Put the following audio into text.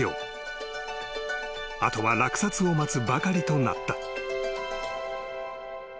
［後は落札を待つばかりとなった］